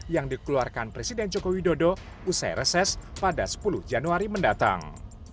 yang dikeluarkan presiden joko widodo usai reses pada sepuluh januari mendatang